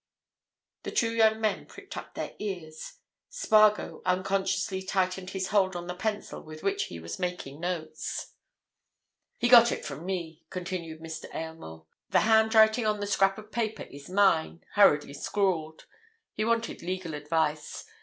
The two young men pricked up their ears. Spargo unconsciously tightened his hold on the pencil with which he was making notes. "He got it from me," continued Mr. Aylmore. "The handwriting on the scrap of paper is mine, hurriedly scrawled. He wanted legal advice.